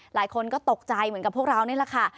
หลายคนก็ตกใจเหมือนกับพวกเรานี่แหละค่ะ